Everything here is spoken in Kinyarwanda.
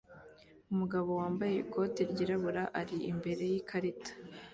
Umugabo wambaye ikoti ryirabura ari imbere yikarita